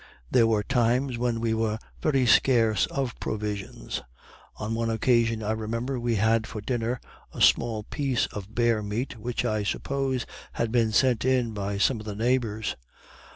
There were times when we were very scarce of provisions. On one occasion, I remember, we had for dinner a small piece of bear meat, which, I suppose, had been sent in by some of the neighbors.